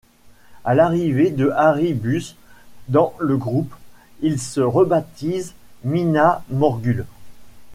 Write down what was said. À l'arrivée de Harry Busse dans le groupe, ils se rebaptisent Minas Morgul.